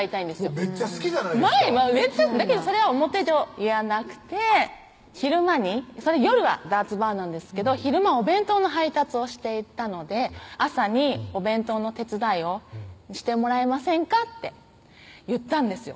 めっちゃ好きじゃないですかだけどそれは表上言わなくて昼間に夜はダーツバーなんですけど昼間お弁当の配達をしていたので「朝にお弁当の手伝いをしてもらえませんか？」って言ったんですよ